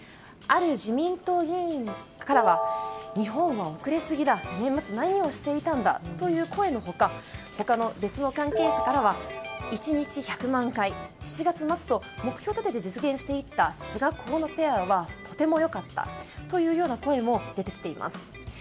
ある自民党議員からは日本は遅れすぎだ年末、何をしていたんだという声の他、別の関係者からは１日１００万回、７月末と目標立てて実現していった菅、河野ペアはとてもよかったという声も出てきています。